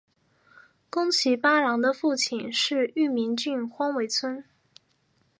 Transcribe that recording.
宫崎八郎的父亲是玉名郡荒尾村。